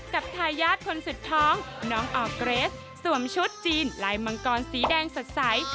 ทายาทคนสุดท้องน้องออร์เกรสสวมชุดจีนลายมังกรสีแดงสดใส